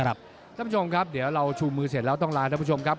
ท่านผู้ชมครับเดี๋ยวเราชูมือเสร็จแล้วต้องลาท่านผู้ชมครับ